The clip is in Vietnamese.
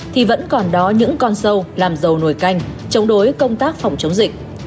thì vẫn còn đó những con sâu làm dầu nồi canh chống đối công tác phòng chống dịch